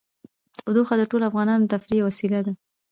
تودوخه د ټولو افغانانو د تفریح یوه وسیله ده.